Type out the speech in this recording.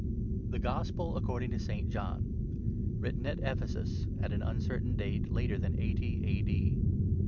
THE GOSPEL ACCORDING TO ST. JOHN'. WRITTEN AT EPHESUS AT AN UNCERTAIN DATE LATER THAN 80 A.D.